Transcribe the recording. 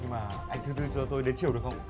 nhưng mà anh thư thư cho tôi đến chiều được không